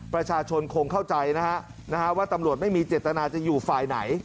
ประชาชนคงเข้าใจนะฮะว่าตำรวจไม่มีเจตนาจะอยู่ฝ่ายไหน